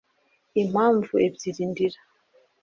impamvu ebyiri ndira